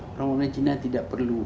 orang orang cina tidak perlu